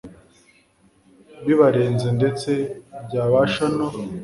bibarenze ndetse byabasha no